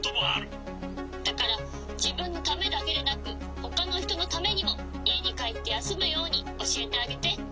だからじぶんのためだけでなくほかのひとのためにもいえにかえってやすむようにおしえてあげて！